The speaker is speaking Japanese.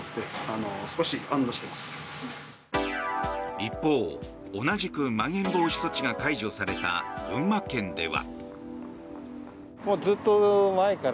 一方、同じくまん延防止措置が解除された群馬県では。